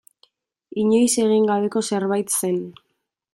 Inoiz egin gabeko zerbait zen.